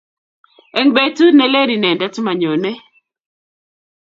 Eng betut ne len inendet manyonei